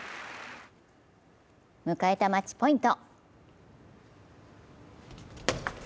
迎えたマッチポイント。